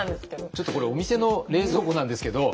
ちょっとこれお店の冷蔵庫なんですけど。